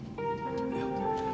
いや。